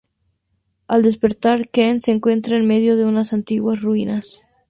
Al despertar Ken se encuentra en medio de unas antiguas ruinas.